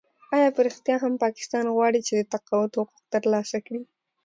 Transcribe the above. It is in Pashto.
آیا په رښتیا هم پاکستان غواړي چې د تقاعد حقوق ترلاسه کړي؟